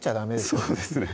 そうですね